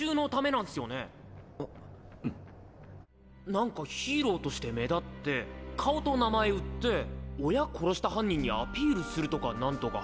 なんかヒーローとして目立って顔と名前売って親殺した犯人にアピールするとかなんとか。